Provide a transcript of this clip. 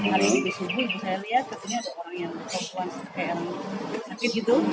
hari ini di subuh saya lihat katanya ada orang yang perempuan kayak sakit gitu